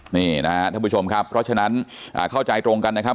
นี่นะครับท่านผู้ชมครับเพราะฉะนั้นเข้าใจตรงกันนะครับ